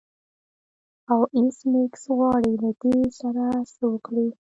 او ایس میکس غواړي له دې سره څه وکړي